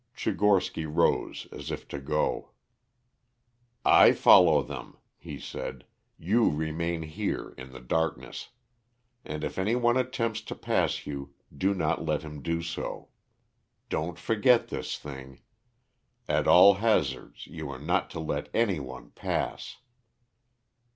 Tchigorsky rose as if to go. "I follow them," he said, "you remain here, in the darkness. And if any one attempts to pass you do not let him do so. Don't forget this thing. At all hazards you are not to let any one pass."